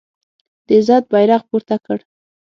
د عزت بیرغ پورته کړ